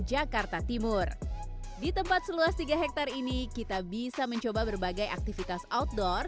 jakarta timur di tempat seluas tiga hektare ini kita bisa mencoba berbagai aktivitas outdoor